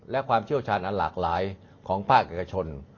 และความเชี่ยวชาญอันหลากหลายของภาคเอกชน